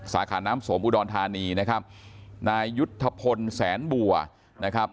สาขาน้ำสมอุดรธานีนะครับนายยุทธพลแสนบัวนะครับ